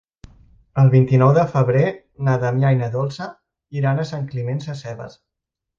El vint-i-nou de febrer na Damià i na Dolça iran a Sant Climent Sescebes.